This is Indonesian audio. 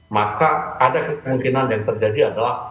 maka ada kemungkinan yang terjadi adalah